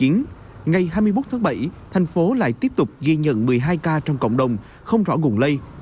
ngày hai mươi một tháng bảy thành phố lại tiếp tục ghi nhận một mươi hai ca trong cộng đồng không rõ nguồn lây